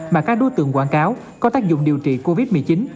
mà các đối tượng quảng cáo có tác dụng điều trị covid một mươi chín